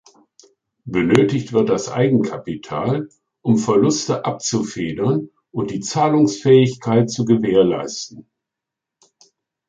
Benötigt wird das Eigenkapital, um Verluste abzufedern und die Zahlungsfähigkeit zu gewährleisten.